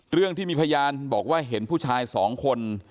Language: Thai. เรื่องที่มีพยานบอกว่าเห็นผู้ชายสองคน